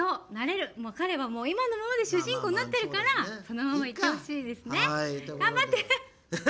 彼は、今のままで主人公になっているからそのままいってほしいですね。頑張って！